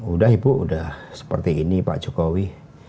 udah ibu udah seperti ini pak jokowi